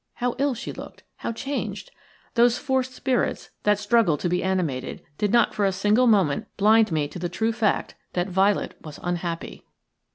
How ill she looked; how changed! Those forced spirits, that struggle to be animated, did not for a single moment blind me to the true fact that Violet was unhappy.